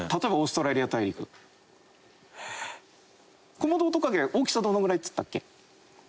コモドオオトカゲ大きさどのぐらいって言ったっけ？